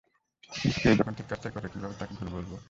কিন্তু কেউ যখন ঠিক কাজটাই করে, কীভাবে তাকে ভুল বলবো?